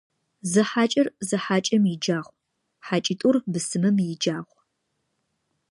Зы хьакӀэр зы хьакӀэм иджагъу, хьакӀитӀур бысымым иджагъу.